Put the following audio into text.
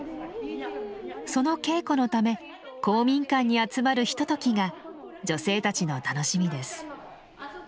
その稽古のため公民館に集まるひとときが女性たちの楽しみです。